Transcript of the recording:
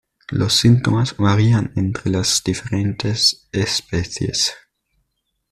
Los síntomas varían entre las diferentes especies.